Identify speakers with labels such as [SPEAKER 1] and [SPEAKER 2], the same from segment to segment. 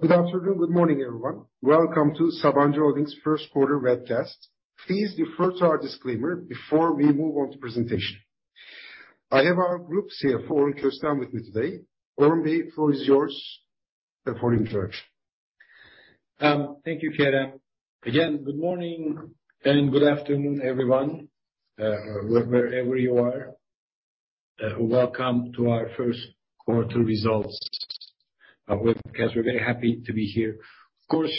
[SPEAKER 1] Good afternoon, good morning, everyone. Welcome to Sabancı Holding's Q1 webcast. Please refer to our disclaimer before we move on to presentation. I have our Group Chief Financial Officer, Köstem, with me today. Orhun Bey, floor is yours for introduction.
[SPEAKER 2] Thank you, Kerem. Again, good morning and good afternoon, everyone, wherever you are. Welcome to our Q1 results webcast. We're very happy to be here. Of course,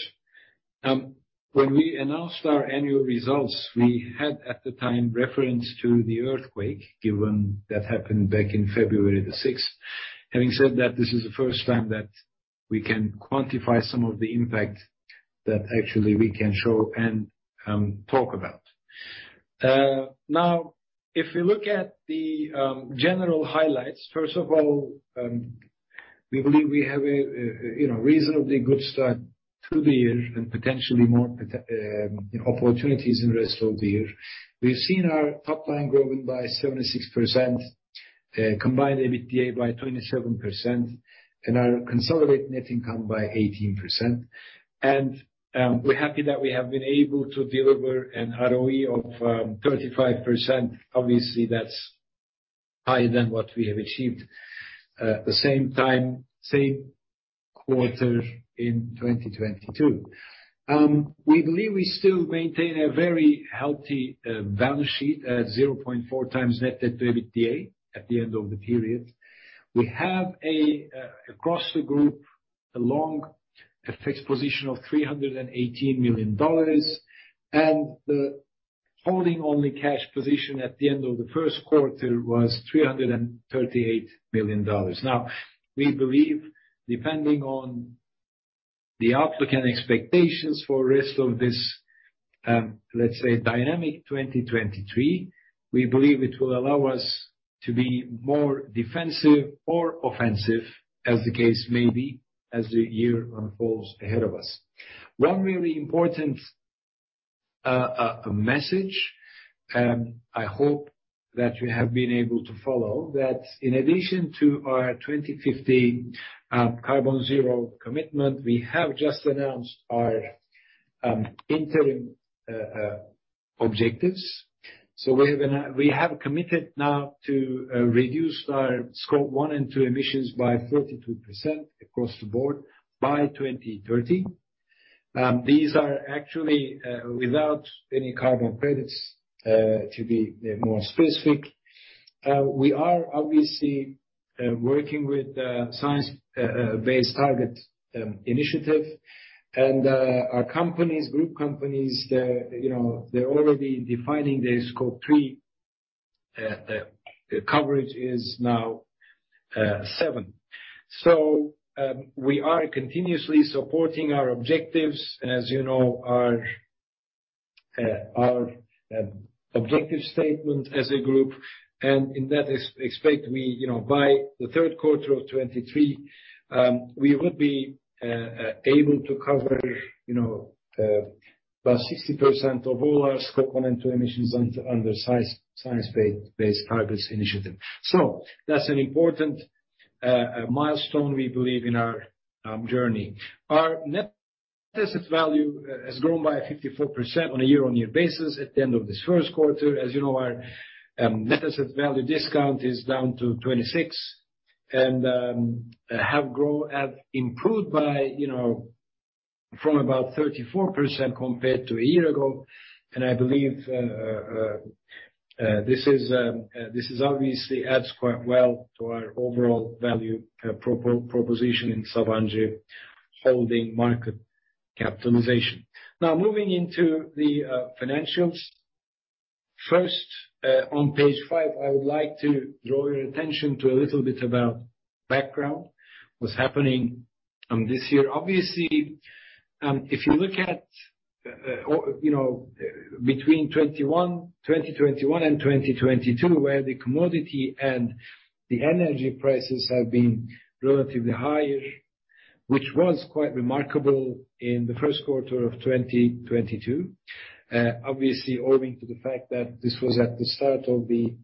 [SPEAKER 2] when we announced our annual results, we had, at the time, reference to the earthquake, given that happened back in February 6th. Having said that, this is the first time that we can quantify some of the impact that actually we can show and talk about. Now, if you look at the general highlights, first of all, we believe we have a, you know, reasonably good start to the year and potentially more opportunities in rest of the year. We've seen our top line growing by 76%, combined EBITDA by 27% and our consolidated net income by 18%. We're happy that we have been able to deliver an ROE of 35%. Obviously, that's higher than what we have achieved the same time, same quarter in 2022. We believe we still maintain a very healthy balance sheet at 0.4x net debt-to-EBITDA at the end of the period. We have a, across the group, a long fixed position of $318 million. The holding-only cash position at the end of the Q1 was $338 million. Now, we believe, depending on the outlook and expectations for rest of this, let's say, dynamic 2023, we believe it will allow us to be more defensive or offensive, as the case may be, as the year unfolds ahead of us. One really important message, I hope that you have been able to follow, that in addition to our 2050 carbon zero commitment, we have just announced our interim objectives. We have committed now to reduce our Scope one and two emissions by 42% across the board by 2030. These are actually without any carbon credits to be more specific. We are obviously working with Science Based Targets initiative. Our companies, group companies, you know, they're already defining their Scope three. The coverage is now seven. We are continuously supporting our objectives, as you know, our objective statement as a group. In that expect we, you know, by the Q3 of 2023, we will be able to cover, you know, about 60% of all our Scope one and two emissions under Science Based Targets initiative. That's an important milestone we believe in our journey. Our net asset value has grown by 54% on a year-on-year basis at the end of this Q1. As you know, our net asset value discount is down to 26% and have improved by, you know, from about 34% compared to a year ago. I believe this is obviously adds quite well to our overall value proposition in Sabancı Holding market capitalization. Now, moving into the financials. First, on page 5, I would like to draw your attention to a little bit about background, what's happening this year. Obviously, if you look at, you know, between 2021 and 2022, where the commodity and the energy prices have been relatively higher, which was quite remarkable in the Q1 of 2022, obviously owing to the fact that this was at the start of the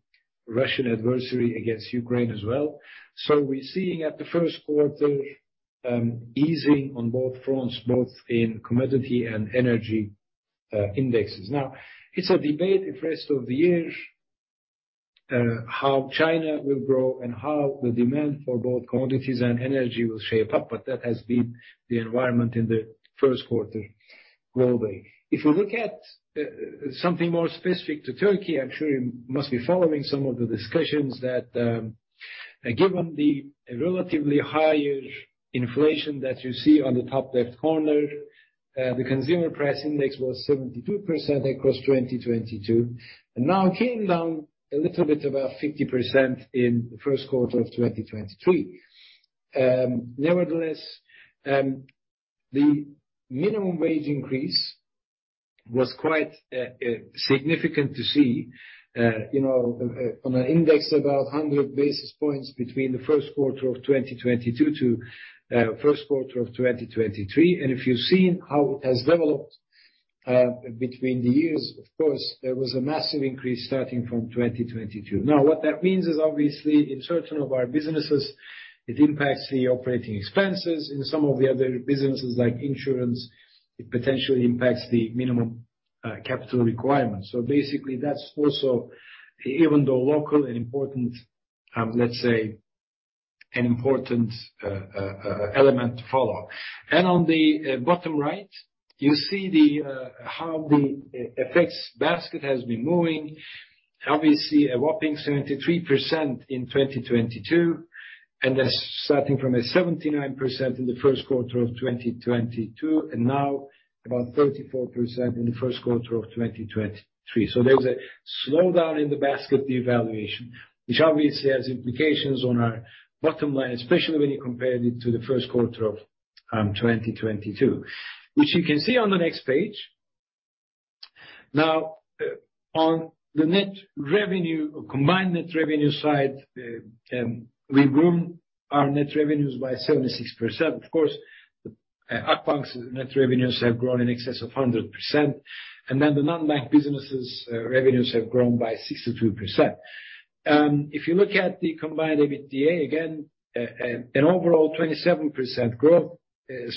[SPEAKER 2] Russian adversary against Ukraine as well. We're seeing at the Q1 easing on both fronts, both in commodity and energy indexes. It's a debate if rest of the year, how China will grow and how the demand for both commodities and energy will shape up, but that has been the environment in the Q1 globally. If you look at something more specific to Turkey, I'm sure you must be following some of the discussions that, given the relatively higher inflation that you see on the top left corner, the Consumer Price Index was 72% across 2022, and now came down a little bit, about 50% in the Q1 of 2023. Nevertheless, the minimum wage increase was quite significant to see, you know, on an index about 100 basis points between the Q1 of 2022 to Q1 of 2023. If you've seen how it has developed, between the years, of course, there was a massive increase starting from 2022. What that means is, obviously in certain of our businesses, it impacts the operating expenses. In some of the other businesses like insurance, it potentially impacts the minimum capital requirements. Basically that's also, even though local and important, let's say an important element to follow. On the bottom right, you see how the FX basket has been moving. Obviously a whopping 73% in 2022, and that's starting from a 79% in the Q1 of 2022, and now about 34% in the Q1 of 2023. There's a slowdown in the basket devaluation, which obviously has implications on our bottom line, especially when you compare it to the Q1 of 2022. Which you can see on the next page. Now, on the net revenue or combined net revenue side, we grew our net revenues by 76%. Of course, Akbank's net revenues have grown in excess of 100%, and then the non-bank businesses' revenues have grown by 62%. If you look at the combined EBITDA, again, an overall 27% growth,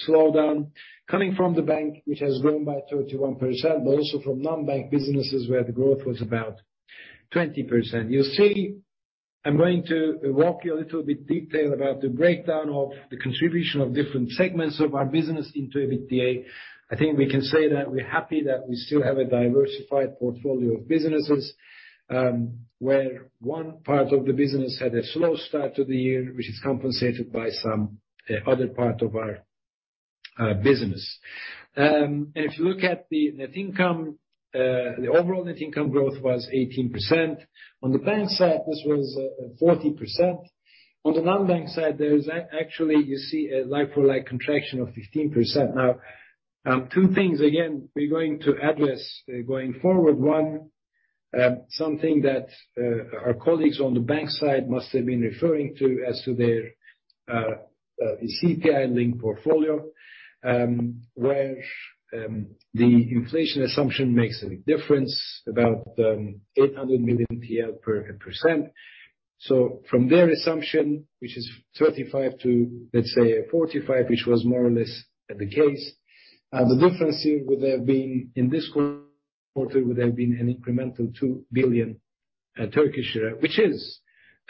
[SPEAKER 2] slowdown coming from the bank, which has grown by 31%, but also from non-bank businesses where the growth was about 20%. You see, I'm going to walk you a little bit detail about the breakdown of the contribution of different segments of our business into EBITDA. I think we can say that we're happy that we still have a diversified portfolio of businesses, where one part of the business had a slow start to the year, which is compensated by some other part of our business. If you look at the net income, the overall net income growth was 18%. On the bank side, this was 40%. On the non-bank side, there's actually you see a like for like contraction of 15%. Now, two things again, we're going to address going forward. One, something that our colleagues on the bank side must have been referring to as to their CPI-linked portfolio, where the inflation assumption makes a difference about 800 million TL per %. From their assumption, which is 35 to, let's say, 45, which was more or less the case, the difference here would have been in this quarter, would have been an incremental 2 billion. Which is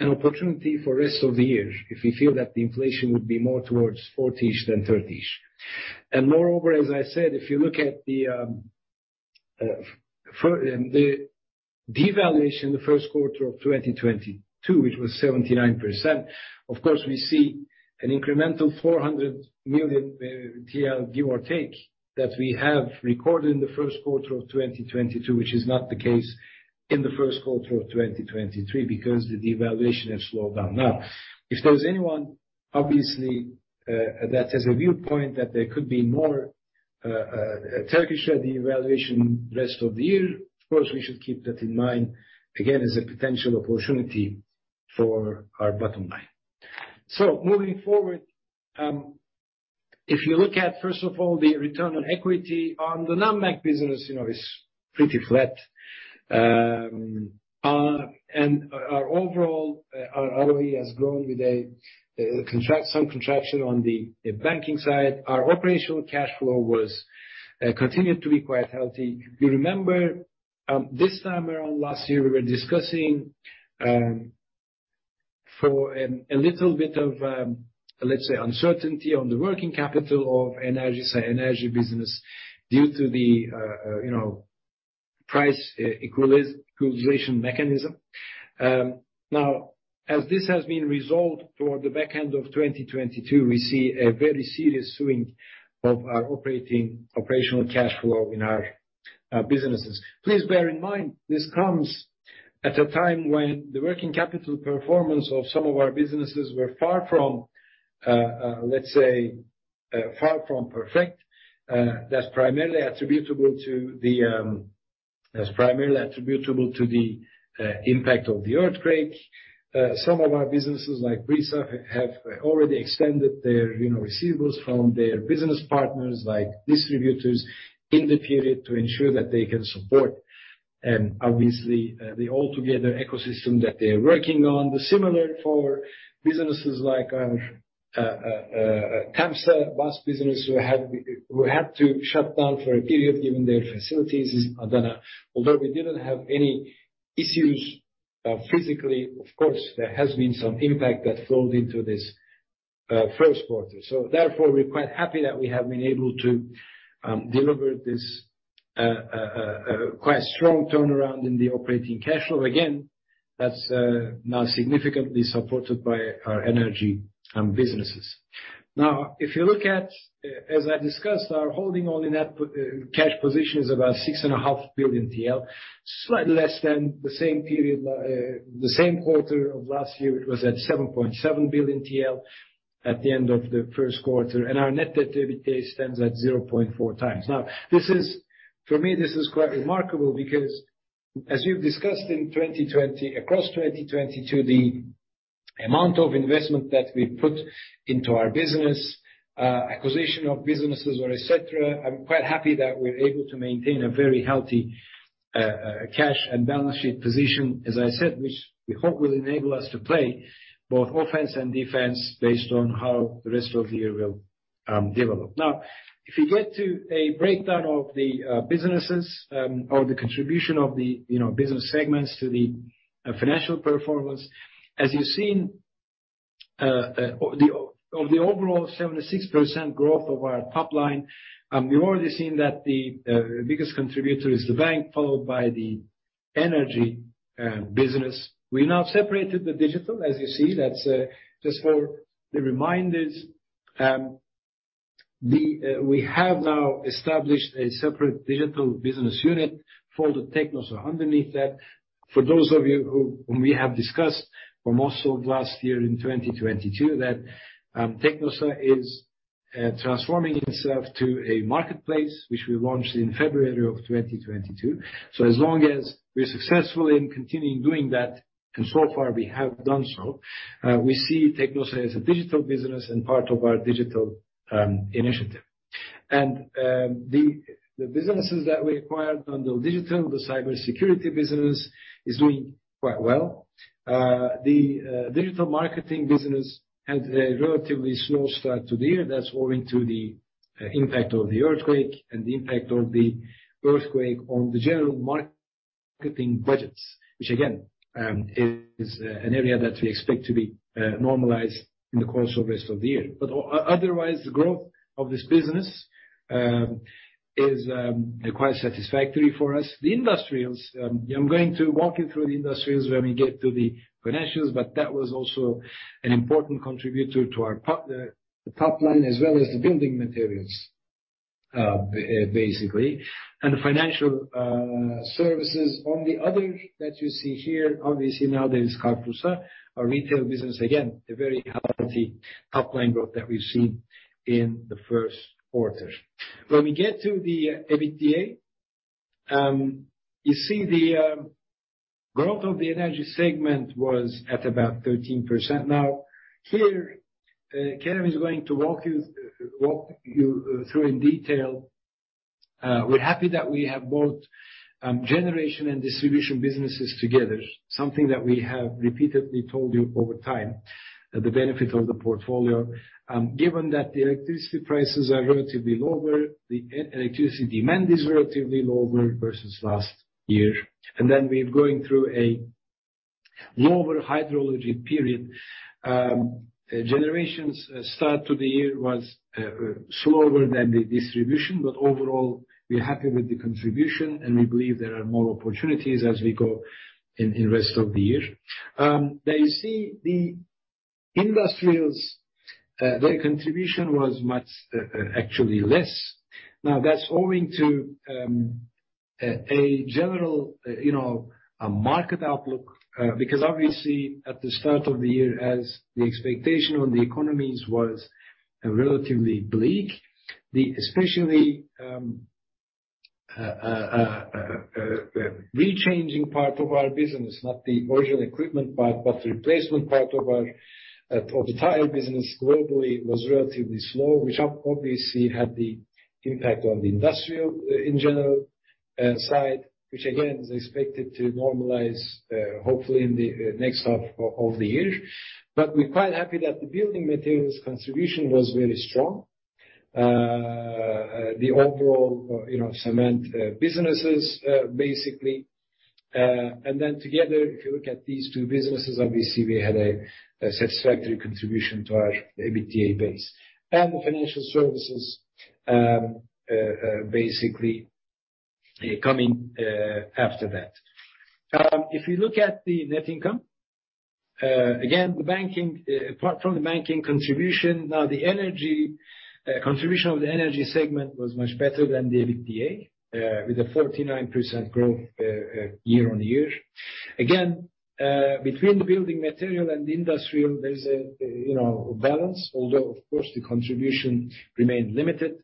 [SPEAKER 2] an opportunity for rest of the year if we feel that the inflation would be more towards 40-ish than 30-ish. Moreover, as I said, if you look at the devaluation the Q1 of 2022, which was 79%, of course we see an incremental 400 million TL give or take, that we have recorded in the Q1 of 2022, which is not the case in the Q1 of 2023 because the devaluation has slowed down. If there's anyone, obviously, that has a viewpoint that there could be more Turkish lira devaluation rest of the year, of course, we should keep that in mind, again, as a potential opportunity for our bottom line. Moving forward, if you look at, first of all, the return on equity on the non-bank business, you know, is pretty flat. Our overall, our ROE has grown with some contraction on the banking side. Our operational cash flow was continued to be quite healthy. You remember, this time around last year, we were discussing for a little bit of, let's say, uncertainty on the working capital of energy business due to the, you know, price equalization mechanism. Now, as this has been resolved toward the back end of 2022, we see a very serious swing of our operational cash flow in our businesses. Please bear in mind, this comes at a time when the working capital performance of some of our businesses were far from perfect. That's primarily attributable to the impact of the earthquake. Some of our businesses, like Borsa, have already extended their, you know, receivables from their business partners, like distributors, in the period to ensure that they can support the altogether ecosystem that they're working on. The similar for businesses like Temsa Bus business who had to shut down for a period, given their facilities is Adana. Although we didn't have any issues, physically, of course, there has been some impact that flowed into this Q1. We're quite happy that we have been able to deliver this quite strong turnaround in the operating cash flow. That's now significantly supported by our energy businesses. If you look at, as I discussed, our holding only net cash position is about 6.5 billion TL, slightly less than the same period, the same quarter of last year, it was at 7.7 billion TL at the end of the Q1, and our net debt-to-EBITDA stands at 0.4x. This is, for me, this is quite remarkable because as we've discussed in 2020, across 2020 to the amount of investment that we put into our business, acquisition of businesses or etcetera. I'm quite happy that we're able to maintain a very healthy cash and balance sheet position, as I said, which we hope will enable us to play both offense and defense based on how the rest of the year will develop. If you get to a breakdown of the businesses, or the contribution of the, you know, business segments to the financial performance, as you've seen, of the overall 76% growth of our top line, we've already seen that the biggest contributor is the bank, followed by the energy business. We now separated the digital, as you see. That's just for the reminders. We have now established a separate digital business unit for the Teknosa underneath that. For those of you who, whom we have discussed from also last year in 2022, that, Teknosa is transforming itself to a marketplace which we launched in February of 2022. As long as we're successful in continuing doing that, and so far we have done so, we see Teknosa as a digital business and part of our digital initiative. The businesses that we acquired under digital, the cybersecurity business is doing quite well. The digital marketing business had a relatively slow start to the year. That's owing to the impact of the earthquake and the impact of the earthquake on the general marketing budgets, which again, is an area that we expect to be normalized in the course of rest of the year. Otherwise, the growth of this business is quite satisfactory for us. The industrials, I'm going to walk you through the industrials when we get to the financials, but that was also an important contributor to our top, the top line as well as the building materials, basically. Financial services on the other that you see here, obviously now there is CarrefourSA, our retail business. Again, a very healthy top line growth that we've seen in the Q1. When we get to the EBITDA, you see the growth of the energy segment was at about 13%. Here, Kerem is going to walk you through in detail. We're happy that we have both generation and distribution businesses together, something that we have repeatedly told you over time, the benefit of the portfolio. Given that the electricity prices are relatively lower, the electricity demand is relatively lower versus last year. We're going through a lower hydrology period. Generations start to the year was slower than the distribution, but overall, we're happy with the contribution, and we believe there are more opportunities as we go in rest of the year. You see the industrials, their contribution was much actually less. That's owing to a general, you know, market outlook, because obviously at the start of the year, as the expectation on the economies was relatively bleak. The especially rechanging part of our business, not the original equipment part, but replacement part of our of the tire business globally was relatively slow, which obviously had the impact on the industrial in general side, which again, is expected to normalize hopefully in the next half of the year. We're quite happy that the building materials contribution was very strong. The overall, you know, cement businesses basically. Together, if you look at these two businesses, obviously we had a satisfactory contribution to our EBITDA base. The financial services basically coming after that. If you look at the net income, again, the banking, apart from the banking contribution, now the energy, contribution of the energy segment was much better than the EBITDA, with a 49% growth, year-over-year. Between the building material and the industrial, there's a, you know, balance, although of course, the contribution remained limited,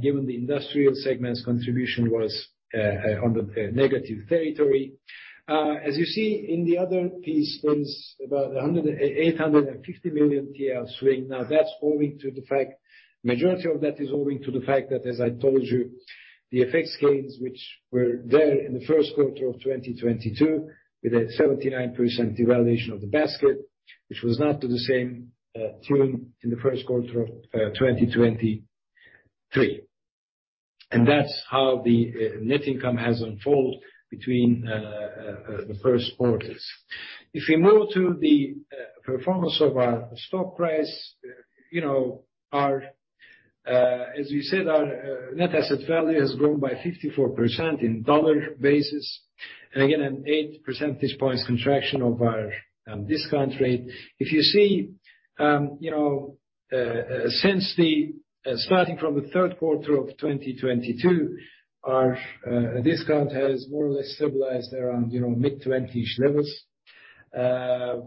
[SPEAKER 2] given the industrial segment's contribution was, under negative territory. You see in the other piece, there's about 850 million TL swing. Now, majority of that is owing to the fact that, as I told you, the FX gains which were there in the Q1 of 2022 with a 79% devaluation of the FX basket, which was not to the same tune in the Q1 of 2023. That's how the net income has unfold between the Q1s. If we move to the performance of our stock price, you know, our, as we said, our net asset value has grown by 54% in dollar basis. Again, an 8 percentage points contraction of our discount rate. If you see, you know, since the starting from the Q3 of 2022, our discount has more or less stabilized around, you know, mid-20-ish levels.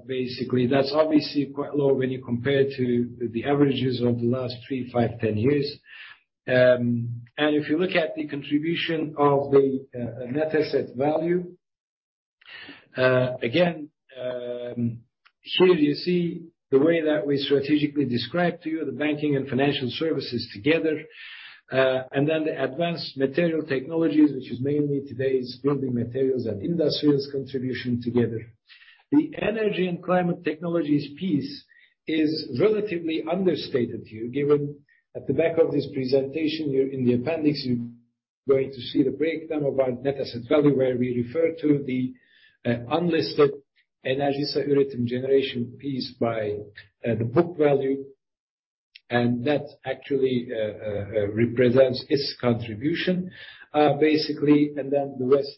[SPEAKER 2] Basically, that's obviously quite low when you compare to the averages of the last three, five, 10 years. If you look at the contribution of the net asset value, again, here you see the way that we strategically describe to you the banking and financial services together, then the advanced material technologies, which is mainly today's building materials and industrials contribution together. The energy and climate technologies piece is relatively understated here, given at the back of this presentation here in the appendix, you're going to see the breakdown of our net asset value where we refer to the unlisted Enerjisa Üretim generation piece by the book value, and that actually represents its contribution, basically, then the rest,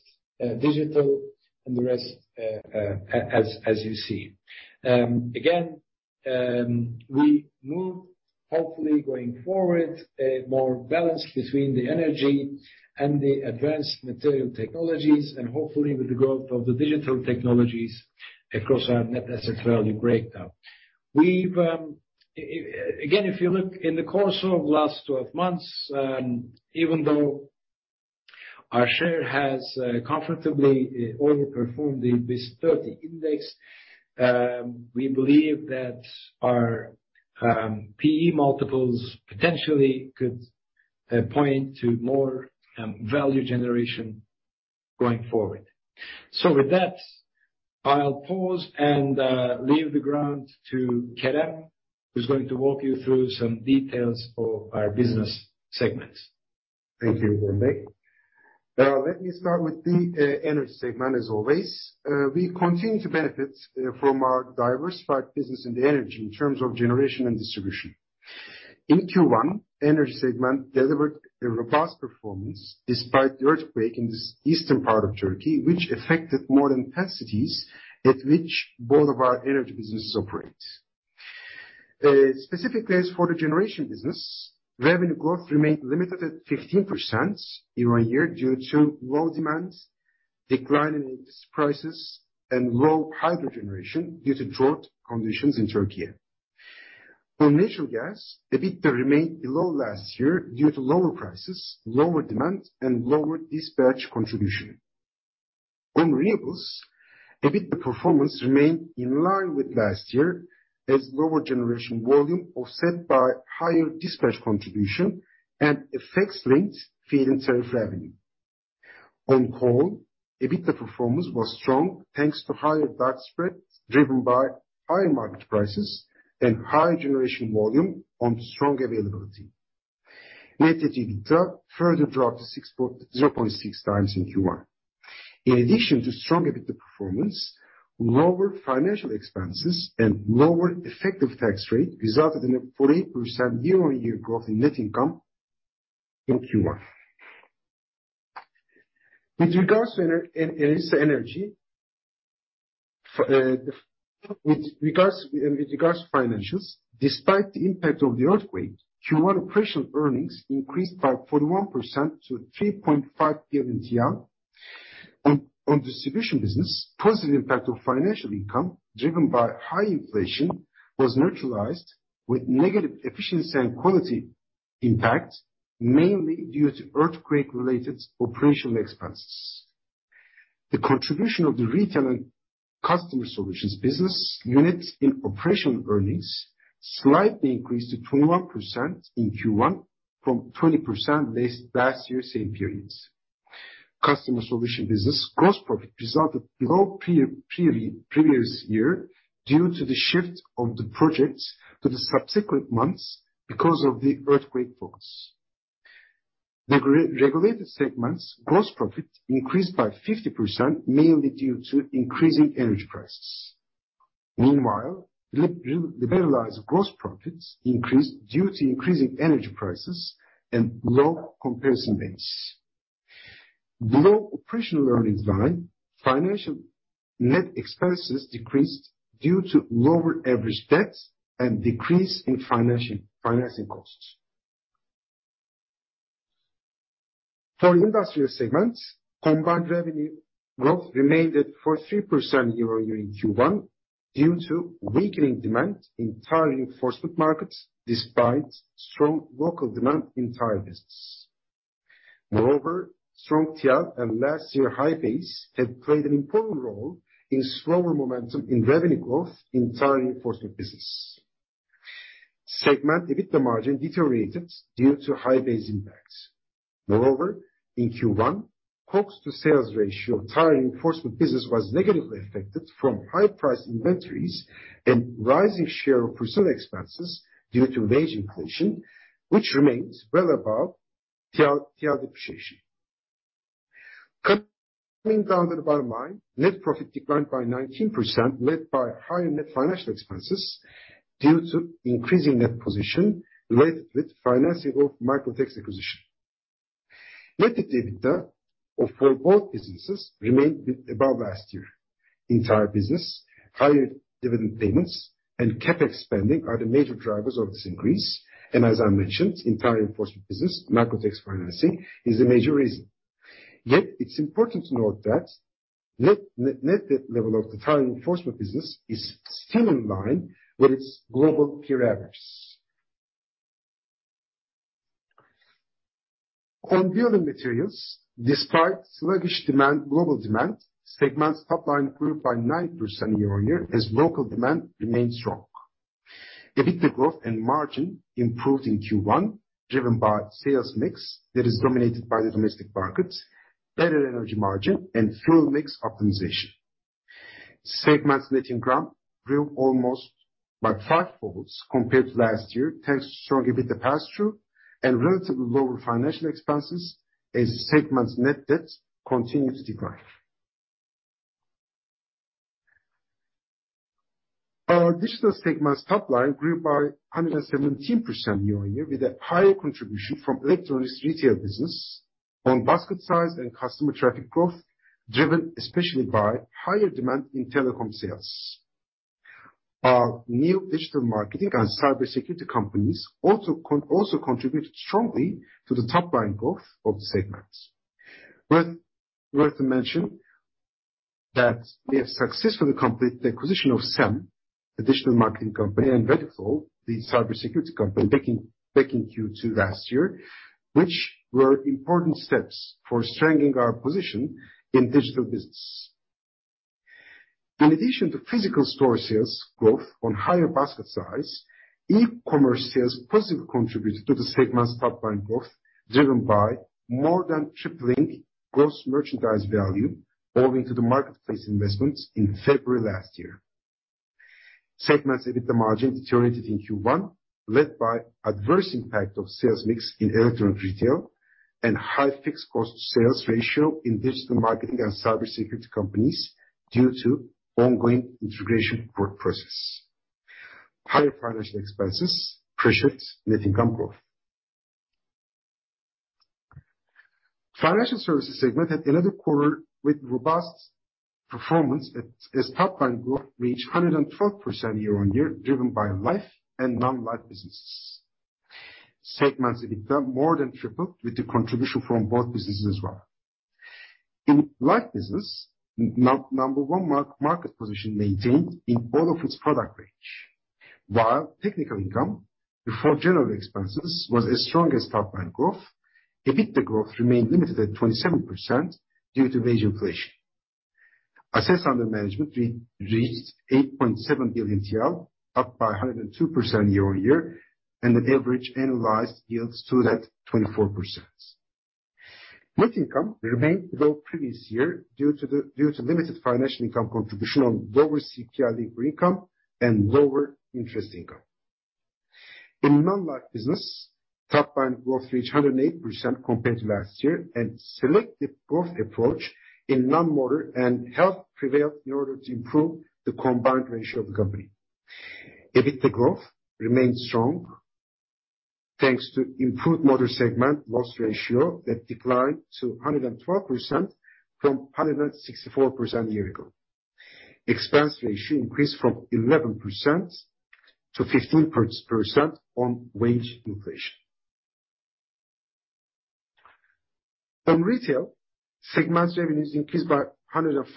[SPEAKER 2] digital and the rest, as you see. Again, we move hopefully going forward a more balance between the energy and the advanced material technologies and hopefully with the growth of the digital technologies across our net asset value breakdown. We've, again, if you look in the course of last 12 months, even though our share has comfortably outperformed the BIST 30 index, we believe that our P/E multiples potentially could point to more value generation going forward. With that, I'll pause and leave the ground to Kerem, who's going to walk you through some details of our business segments.
[SPEAKER 1] Thank you, Emre. Let me start with the energy segment as always. We continue to benefit from our diversified business in the energy in terms of generation and distribution. In Q1, energy segment delivered a robust performance despite the earthquake in this eastern part of Turkey, which affected more than 10 cities at which both of our energy businesses operate. Specifically as for the generation business, revenue growth remained limited at 15% year-on-year due to low demand, decline in mix prices, and low hydro generation due to drought conditions in Turkey. For natural gas, EBITDA remained below last year due to lower prices, lower demand, and lower dispatch contribution. On renewables, EBITDA performance remained in line with last year as lower generation volume offset by higher dispatch contribution and a fixed-linked feed-in tariff revenue. On call, EBITDA performance was strong, thanks to higher FX spreads, driven by higher market prices and higher generation volume on strong availability. Net EBITDA further dropped to 0.6X in Q1. In addition to strong EBITDA performance, lower financial expenses and lower effective tax rate resulted in a 48% year-on-year growth in net income in Q1. With regards to Enerjisa Energy, with regards to financials, despite the impact of the earthquake, Q1 operational earnings increased by 41% to 3.5 billion. On distribution business, positive impact of financial income driven by high inflation was neutralized with negative efficiency and quality impact, mainly due to earthquake-related operational expenses. The contribution of the retail and customer solutions business units in operational earnings slightly increased to 21% in Q1 from 20% last year same periods. Customer solution business gross profit resulted below previous year due to the shift of the projects to the subsequent months because of the earthquake focus. The re-regulated segment's gross profit increased by 50%, mainly due to increasing energy prices. Meanwhile, liberalized gross profits increased due to increasing energy prices and low comparison base. Below operational earnings line, financial net expenses decreased due to lower average debt and decrease in financial financing costs. For industrial segment, combined revenue growth remained at 43% year-on-year in Q1 due to weakening demand in tire reinforcement markets despite strong local demand in tire business. Moreover, strong TRY and last year high base have played an important role in slower momentum in revenue growth in tire reinforcement business. Segment EBITDA margin deteriorated due to high base impacts. Moreover, in Q1, COGS to sales ratio of tire reinforcement business was negatively affected from high-priced inventories and rising share of personnel expenses due to wage inflation, which remains well above TRY depreciation. Coming down to the bottom line, net profit declined by 19%, led by higher net financial expenses due to increasing net position related with financing of Microtex acquisition. Net EBITDA for both businesses remained above last year. Entire business, higher dividend payments and CapEx spending are the major drivers of this increase, and as I mentioned, entire enforcement business, Microtex financing is a major reason. It's important to note that net debt level of the tire enforcement business is still in line with its global peer average. On building materials, despite sluggish demand, global demand, segment's top line improved by 9% year-on-year as local demand remained strong. EBITDA growth and margin improved in Q1, driven by sales mix that is dominated by the domestic market, better energy margin and fuel mix optimization. Segment's net income grew almost by fivefolds compared to last year, thanks to strong EBITDA pass-through and relatively lower financial expenses as segment's net debt continued to decline. Our digital segment's top line grew by 117% year-on-year, with a higher contribution from electronics retail business on basket size and customer traffic growth, driven especially by higher demand in telecom sales. Our new digital marketing and cybersecurity companies also contributed strongly to the top line growth of the segments. Worth to mention that we have successfully completed the acquisition of SEM, the digital marketing company, and Radiflow, the cybersecurity company, back in Q2 last year, which were important steps for strengthening our position in digital business. In addition to physical store sales growth on higher basket size, e-commerce sales positively contributed to the segment's top line growth, driven by more than tripling gross merchandise value owing to the marketplace investments in February 2022. Segment's EBITDA margin deteriorated in Q1, led by adverse impact of sales mix in electronic retail and high fixed cost to sales ratio in digital marketing and cybersecurity companies due to ongoing integration work process. Higher financial expenses pressured net income growth. Financial services segment had another quarter with robust performance as top line growth reached 112% year-on-year, driven by life and non-life businesses. Segment's EBITDA more than tripled with the contribution from both businesses as well. In life business, number one market position maintained in all of its product range. While technical income before general expenses was as strong as top line growth, EBITDA growth remained limited at 27% due to wage inflation. Assets under management re-reached 8.7 billion TL, up by 102% year-on-year, and the average annualized yields stood at 24%. Net income remained below previous year due to limited financial income contribution on lower CPI-linked income and lower interest income. In non-life business, top line growth reached 108% compared to last year, and selective growth approach in non-motor and health prevailed in order to improve the combined ratio of the company. EBITDA growth remained strong, thanks to improved motor segment loss ratio that declined to 112% from 164% year ago. Expense ratio increased from 11% to 15% on wage inflation. In retail, segment's revenues increased by 105%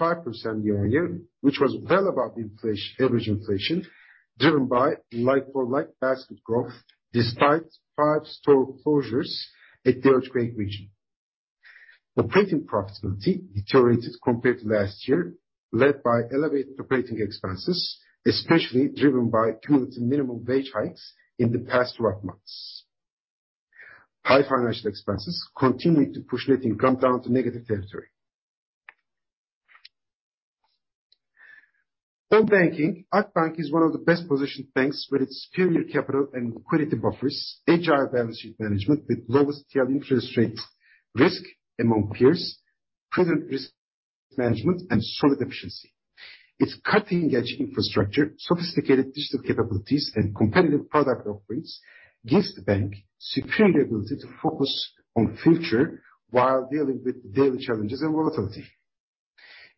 [SPEAKER 1] year-over-year, which was well above inflation, average inflation, driven by like-for-like basket growth despite five store closures at the earthquake region. Operating profitability deteriorated compared to last year, led by elevated operating expenses, especially driven by cumulative minimum wage hikes in the past 12 months. High financial expenses continued to push net income down to negative territory. In banking, Akbank is one of the best positioned banks with its superior capital and liquidity buffers, agile balance sheet management with lowest TRY interest rate risk among peers, prudent risk management and solid efficiency. Its cutting-edge infrastructure, sophisticated digital capabilities and competitive product offerings gives the bank superior ability to focus on future while dealing with the daily challenges and volatility.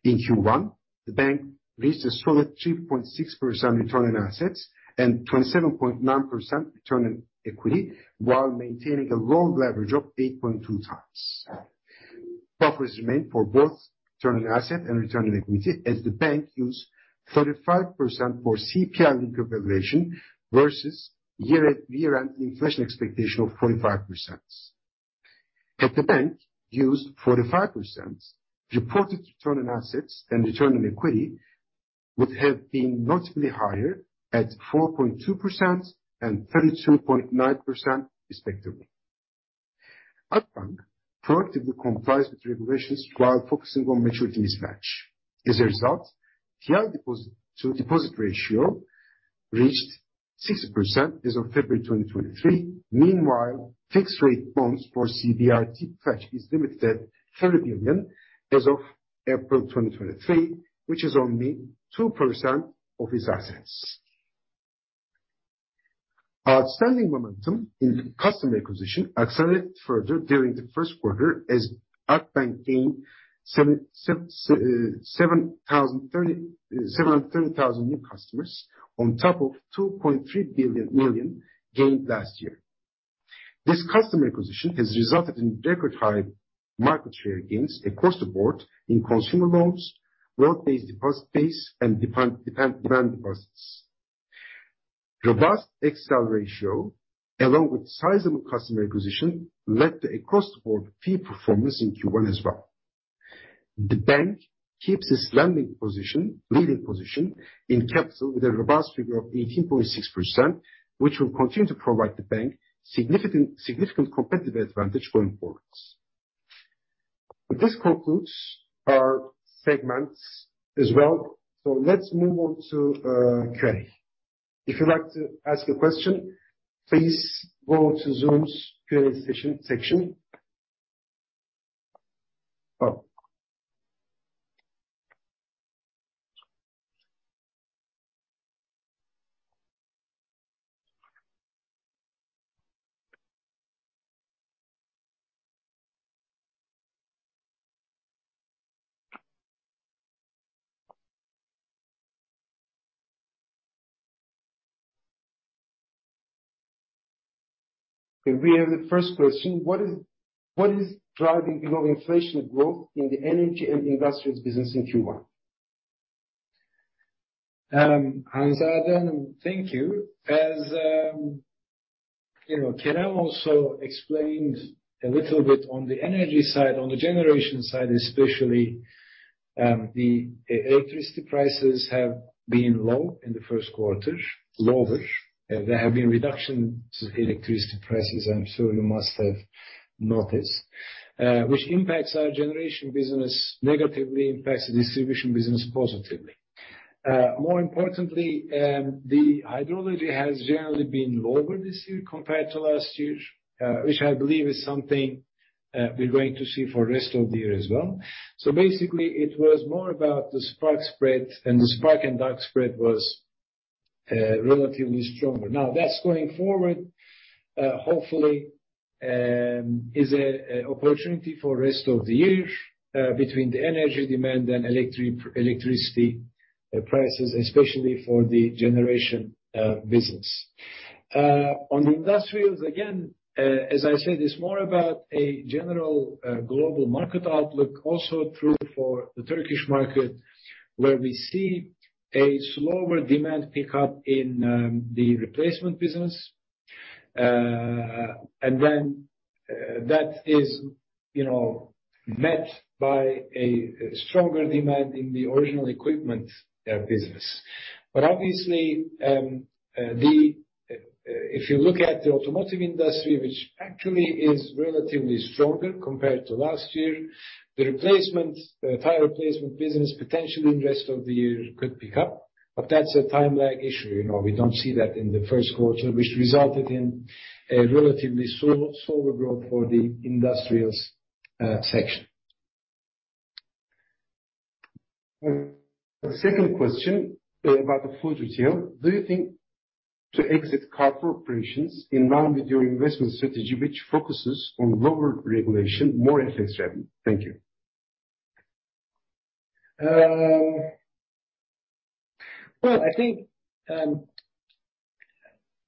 [SPEAKER 1] In Q1, the bank reached a solid 3.6% return on assets and 27.9% return on equity while maintaining a low leverage of 8.2x. Buffers remain for both return on asset and return on equity as the bank used 35% for CPI-linked accreditation versus year at year-end inflation expectation of 45%. Had the bank used 45%, reported return on assets and return on equity would have been notably higher at 4.2% and 32.9% respectively. Akbank proactively complies with regulations while focusing on maturity mismatch. As a result, TRY deposit to deposit ratio reached 60% as of February 2023. Meanwhile, fixed rate bonds for CBRT fetch is limited 30 billion as of April 2023, which is only 2% of its assets. Outstanding momentum in customer acquisition accelerated further during the Q1 as Akbank gained 730,000 new customers on top of 2.3 million gained last year. This customer acquisition has resulted in record high market share gains across the board in consumer loans, loan-based deposit base, and demand deposits. Robust XL ratio, along with sizable customer acquisition, led to across the board fee performance in Q1 as well. The bank keeps its lending position, leading position in capital with a robust figure of 18.6%, which will continue to provide the bank significant competitive advantage going forwards. This concludes our segments as well. Let's move on to Q&A. If you'd like to ask a question, please go to Zoom's Q&A section. We have the first question: What is driving low inflation growth in the energy and industrials business in Q1?
[SPEAKER 2] Anzad, thank you. As you know, Kerem also explained a little bit on the energy side, on the generation side especially, the electricity prices have been low in the Q1, lower. There have been reductions in electricity prices, I'm sure you must have noticed, which impacts our generation business negatively, impacts the distribution business positively. More importantly, the hydrology has generally been lower this year compared to last year, which I believe is something we're going to see for rest of the year as well. Basically, it was more about the spark spread, and the spark and dark spread was relatively stronger. That's going forward, hopefully, is an opportunity for rest of the year, between the energy demand and electricity prices, especially for the generation business. On industrials, again, as I said, it's more about a general global market outlook also true for the Turkish market, where we see a slower demand pickup in the replacement business. Then, that is, you know, met by a stronger demand in the original equipment business. Obviously, the, if you look at the automotive industry, which actually is relatively stronger compared to last year, the replacement tire replacement business potentially in rest of the year could pick up. That's a time lag issue. You know, we don't see that in the Q1, which resulted in a relatively slower growth for the industrials section.
[SPEAKER 1] The second question, about the food retail. Do you think to exit Carrefour operations in line with your investment strategy, which focuses on lower regulation, more FX revenue? Thank you.
[SPEAKER 2] Well, I think,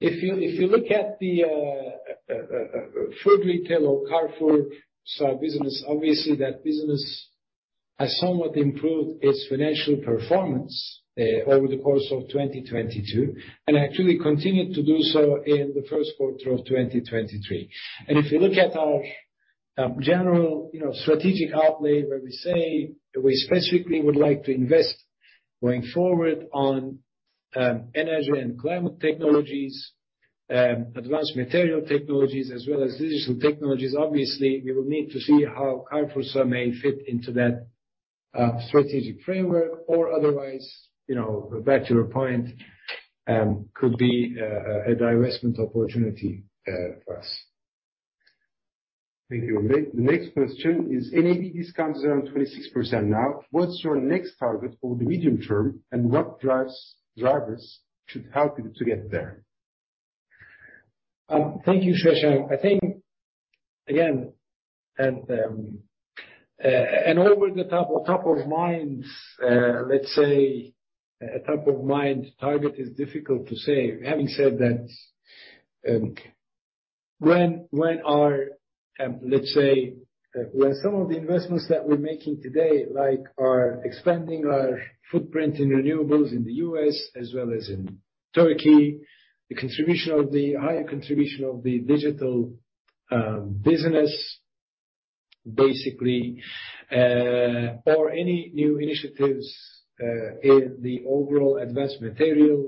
[SPEAKER 2] if you look at the food retail or CarrefourSA business, obviously that business has somewhat improved its financial performance over the course of 2022, actually continued to do so in the Q1 of 2023. If you look at our general, you know, strategic outlay, where we say we specifically would like to invest going forward on energy and climate technologies, advanced material technologies, as well as digital technologies. Obviously, we will need to see how CarrefourSA may fit into that strategic framework. Otherwise, you know, back to your point, could be a divestment opportunity for us.
[SPEAKER 1] Thank you. The next question is NAV discount is around 26% now. What's your next target for the medium term? What drives drivers to help you to get there?
[SPEAKER 2] Thank you, Sreshan. I think, again, over the top of mind, let's say a top of mind target is difficult to say. Having said that, when our, let's say, when some of the investments that we're making today, like our expanding our footprint in renewables in the U.S. as well as in Türkiye, higher contribution of the digital business basically, or any new initiatives in the overall advanced material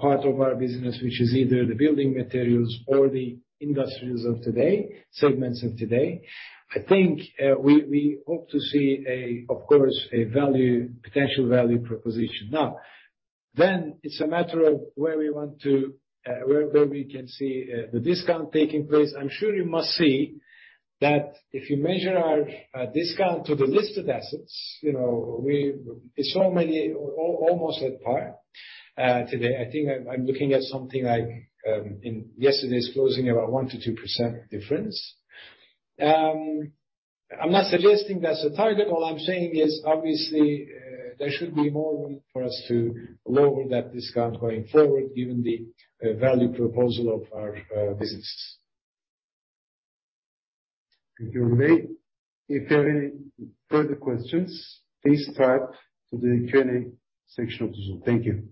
[SPEAKER 2] part of our business, which is either the building materials or the industrials of today, segments of today. I think, we hope to see a, of course, a value, potential value proposition. Now, then it's a matter of where we want to, where we can see, the discount taking place. I'm sure you must see that if you measure our discount to the listed assets, you know, it's so many, almost at par today. I think I'm looking at something like in yesterday's closing about 1%-2% difference. I'm not suggesting that's a target. All I'm saying is, obviously, there should be more room for us to lower that discount going forward given the value proposal of our businesses.
[SPEAKER 1] Thank you, Orhun. If you have any further questions, please type to the Q&A section of the Zoom. Thank you.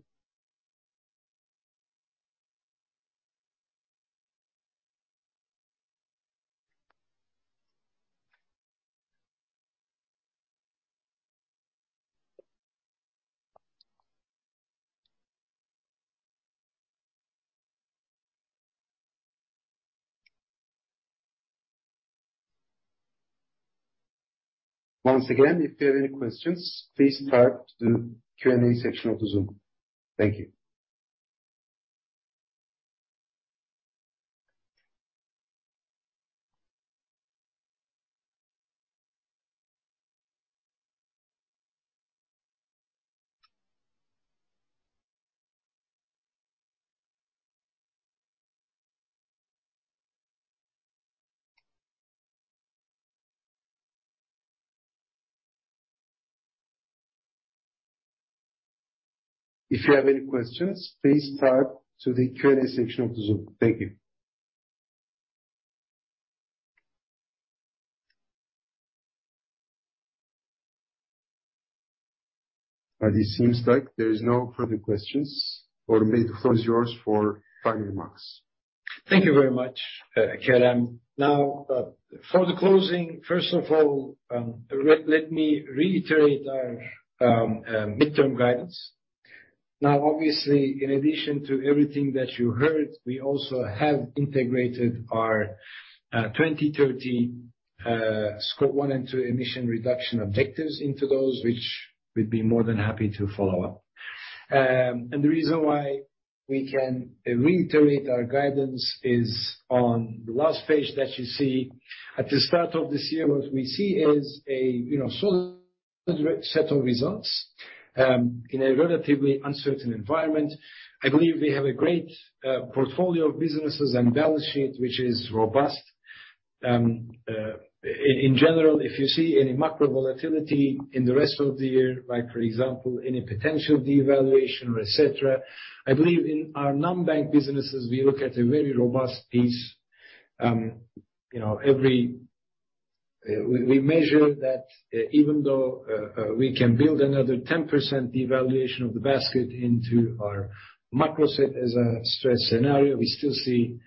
[SPEAKER 1] Once again, if you have any questions, please type to Q&A section of the Zoom. Thank you. If you have any questions, please type to the Q&A section of the Zoom. Thank you. It seems like there is no further questions. Orhun, the floor is yours for final remarks.
[SPEAKER 2] Thank you very much, Kerem. For the closing, first of all, let me reiterate our midterm guidance. Obviously, in addition to everything that you heard, we also have integrated our 2030 Scope 1 and 2 emission reduction objectives into those, which we'd be more than happy to follow up. The reason why we can reiterate our guidance is on the last page that you see. At the start of this year, what we see is a, you know, solid set of results in a relatively uncertain environment. I believe we have a great portfolio of businesses and balance sheet, which is robust. In general, if you see any macro volatility in the rest of the year, like for example, any potential devaluation, et cetera, I believe in our non-bank businesses, we look at a very robust piece, you know, We measure that even though we can build another 10% devaluation of the basket into our macro set as a stress scenario, we still see,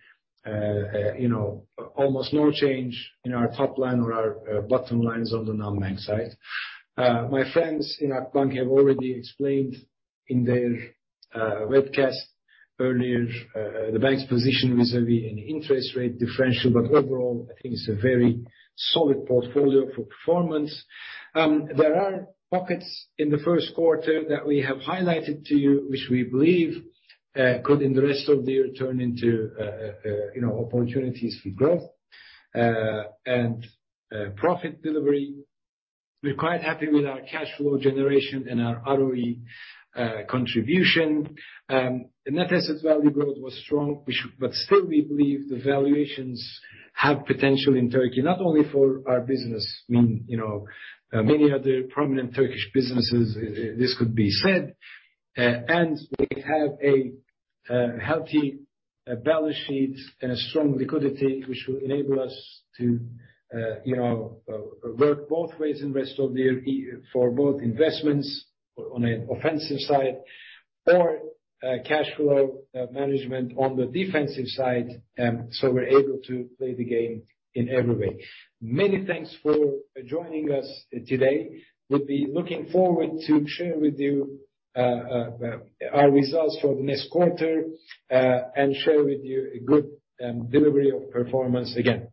[SPEAKER 2] you know, almost no change in our top line or our bottom lines on the non-bank side. My friends in Akbank have already explained in their webcast earlier, the bank's position vis-à-vis any interest rate differential. Overall, I think it's a very solid portfolio for performance. There are pockets in the Q1 that we have highlighted to you, which we believe, could in the rest of the year turn into, you know, opportunities for growth, and profit delivery. We're quite happy with our cash flow generation and our ROE contribution. The net asset value growth was strong. But still, we believe the valuations have potential in Turkey, not only for our business. I mean, you know, many other prominent Turkish businesses, this could be said. And we have a healthy balance sheet and a strong liquidity, which will enable us to, you know, work both ways in rest of the year, for both investments on an offensive side or cash flow management on the defensive side. We're able to play the game in every way. Many thanks for joining us today. We'll be looking forward to share with you our results for the next quarter and share with you a good delivery of performance again.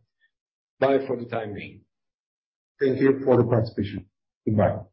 [SPEAKER 2] Bye for the time being.
[SPEAKER 1] Thank you for the participation. Goodbye.